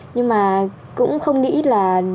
nhưng mà cũng không nghĩ là